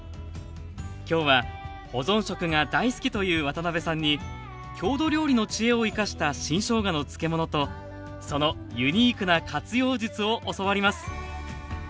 今日は保存食が大好きという渡辺さんに郷土料理の知恵を生かした新しょうがの漬物とそのユニークな活用術を教わります。